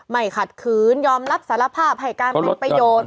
ขัดขืนยอมรับสารภาพให้การเป็นประโยชน์